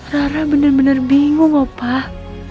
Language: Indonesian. rara bener bener bingung opah